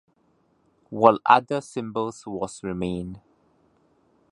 While other symbols was remained.